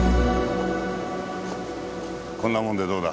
こんなもんでどうだ？